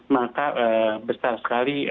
maka besar sekali